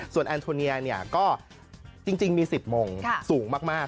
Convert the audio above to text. ส่วนแอนโทเนียก็จริงมี๑๐โมงสูงมาก